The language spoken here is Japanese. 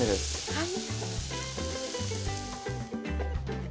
はい。